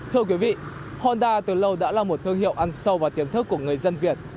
thưa quý vị honda từ lâu đã là một thương hiệu ăn sâu và tiềm thức của người dân việt